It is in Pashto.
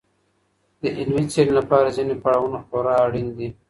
د علمي څېړني لپاره ځیني پړاوونه خورا اړین دي.